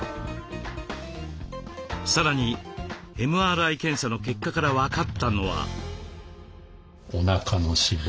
さらにＭＲＩ検査の結果から分かったのは。